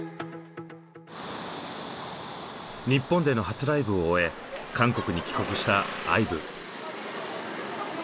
日本での初ライブを終え韓国に帰国したＩＶＥ。